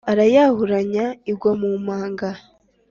arayahuranya igwa mumanga